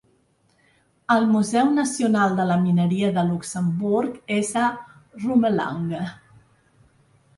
El Museu Nacional de la Mineria de Luxemburg és a Rumelange.